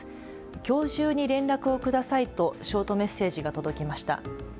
きょう中に連絡をくださいとショートメッセージが届きました。